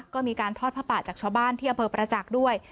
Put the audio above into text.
ก็มีการทอดผ้าป่าจากชาวบ้านที่อำเภอประจักษ์ด้วย